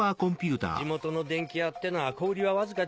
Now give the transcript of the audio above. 地元の電器屋ってのは小売りはわずかでね。